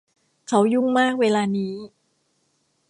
เขายุ่งมากเวลานี้